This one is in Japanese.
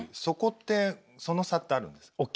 そこってその差ってあるんですか？